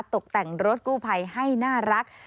ตกแต่งรถกู้ภัยให้น่ารัก